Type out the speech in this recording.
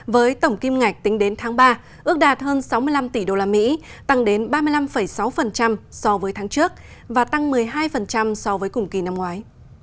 với tổng kim ngạch tính đến tháng ba ước đạt hơn sáu mươi năm tỷ usd tăng đến ba mươi năm sáu so với tháng trước và tăng một mươi hai so với cùng kỳ năm ngoái